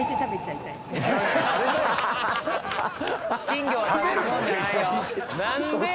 金魚は食べるもんじゃないよ